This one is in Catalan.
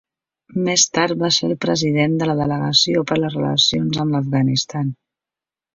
Més tard va ser el president de la Delegació per les relacions amb l'Afganistan.